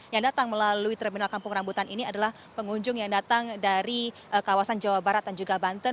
yang datang melalui terminal kampung rambutan ini adalah pengunjung yang datang dari kawasan jawa barat dan juga banten